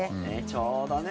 ちょうどね。